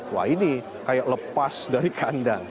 wah ini kayak lepas dari kandang